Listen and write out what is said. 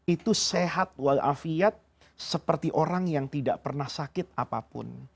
itu sehat walafiat seperti orang yang tidak pernah sakit apapun